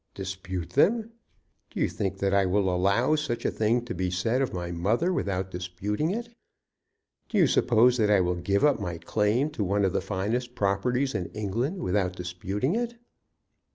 "Dispute them! Do you think that I will allow such a thing to be said of my mother without disputing it? Do you suppose that I will give up my claim to one of the finest properties in England without disputing it?"